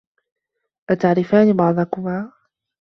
أتعرفان بعضكما؟